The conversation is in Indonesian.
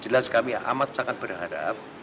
jelas kami amat sangat berharap